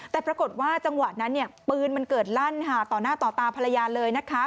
แต่ปรากฏว่าจังหวะนั้นเนี่ยปืนมันเกิดลั่นต่อหน้าต่อตาภรรยาเลยนะคะ